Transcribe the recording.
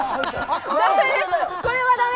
これはダメ！